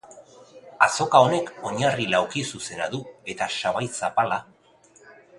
Azoka honek oinarri laukizuzena du eta sabai zapala.